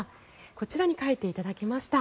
こちらに描いていただきました。